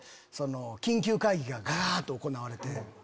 緊急会議がガガっと行われて。